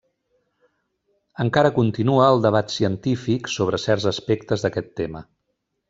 Encara continua el debat científic sobre certs aspectes d'aquest tema.